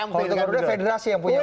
kalau untuk garuda federasi yang punya